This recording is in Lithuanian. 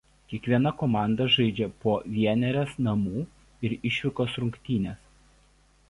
Kiekviena komanda žaidžia po vienerias namų ir išvykos rungtynes.